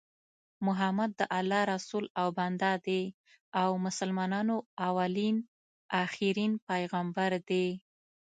محمد د الله رسول او بنده دي او مسلمانانو اولين اخرين پیغمبر دي